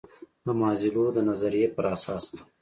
د مازلو د نظریې پر اساس ده.